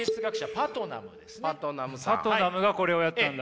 パトナムがこれをやったんだ。